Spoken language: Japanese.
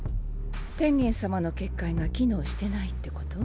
天元様の結界が機能してないってこと？